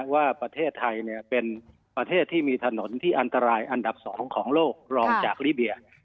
ว่าประเทศไทยเป็นประเทศที่มีถนนที่อันตรายอันดับ๒ของโลกรองจากลิเบีย